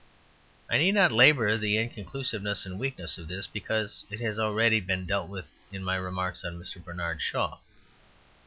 I need not labour the inconclusiveness and weakness of this, because it has already been dealt with in my remarks on Mr. Bernard Shaw.